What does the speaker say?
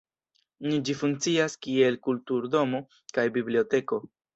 Nun ĝi funkcias kiel kulturdomo kaj biblioteko.